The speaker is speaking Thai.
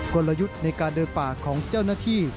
กลยุทธ์ในการเดินป่าของเจ้าหน้าที่